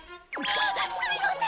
わっすみません！